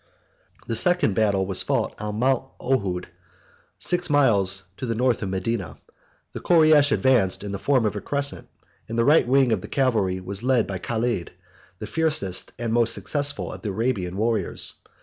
The second battle was fought on Mount Ohud, six miles to the north of Medina; 132 the Koreish advanced in the form of a crescent; and the right wing of cavalry was led by Caled, the fiercest and most successful of the Arabian warriors.